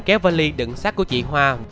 khanh kéo vali đựng sát của chị hoa